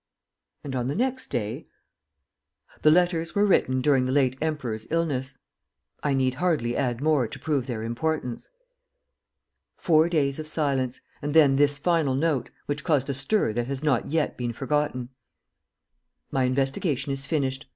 And, on the next day: "The letters were written during the late Emperor's illness. I need hardly add more to prove their importance." Four days of silence, and then this final note, which caused a stir that has not yet been forgotten: "My investigation is finished.